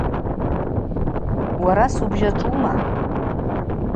Уара суыбжьачӏвума?